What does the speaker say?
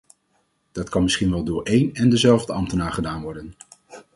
Dat kan misschien wel door een en dezelfde ambtenaar gedaan worden.